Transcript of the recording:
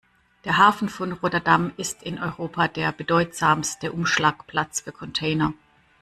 Der Hafen von Rotterdam ist in Europa der bedeutsamste Umschlagplatz für Container.